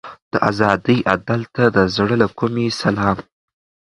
د ازادۍ اتل ته د زړه له کومې سلام.